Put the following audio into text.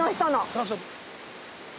そうそう。